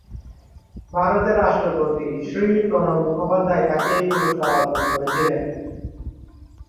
ভারতের রাষ্ট্রপতি শ্রী প্রণব মুখোপাধ্যায় তাঁকে এই পুরস্কার অর্পণ করেছিলেন।